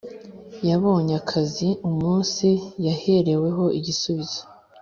Yabonye akazi umunsi yahereweho igisubizo